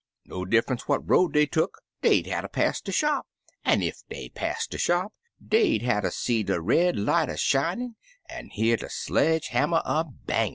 No diffunce what road dey tuck dey'd hatter pass de shop, an' ef dey pass de shop dey'd hatter see de red light a shinin' an' hear de sledge hammer a bangin'.